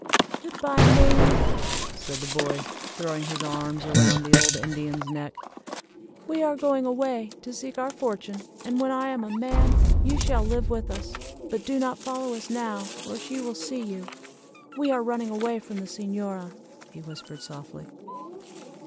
"Good bye, mammie," said the boy, throwing his arms around the old Indian's neck; "we are going away to seek our fortune, and when I am a man, you shall live with us. But do not follow us now, or she will see you. We are running away from the señora," he whispered softly.